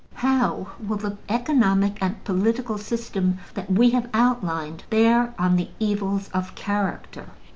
How will the economic and political system that we have outlined bear on the evils of character?